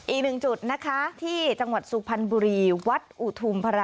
อีกหนึ่งจุดนะคะที่จังหวัดสุพรรณบุรีวัดอุทุมพระราม